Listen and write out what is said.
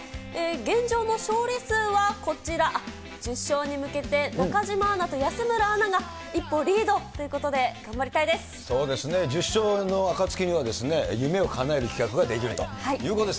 現状の勝利数はこちら、１０勝に向けて中島アナと安村アナが一歩リードということで、１０勝の暁には夢をかなえる企画、これができるということです。